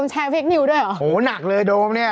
หัวหนักเลยโดมเนี่ย